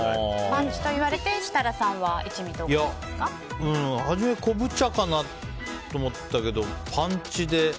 パンチと言われて初めは昆布茶かなと思ったけどパンチで。